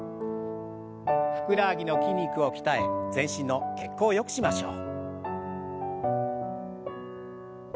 ふくらはぎの筋肉を鍛え全身の血行をよくしましょう。